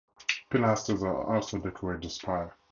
Pilasters also decorate the spire.